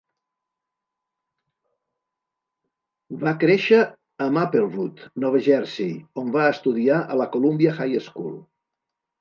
Va créixer a Maplewood, Nova Jersey, on va estudiar a la Columbia High School.